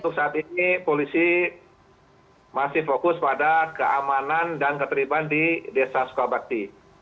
untuk saat ini polisi masih fokus pada keamanan dan keterlibatan di desa sukabakti